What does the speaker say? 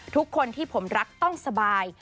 ทุกคนที่ผมรักต้องสบาย